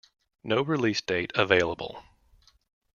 No release date available.